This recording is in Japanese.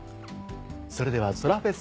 それではそらフェス